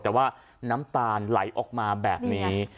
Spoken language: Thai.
แต่ว่าน้ำตาลไหลออกมาแบบนี้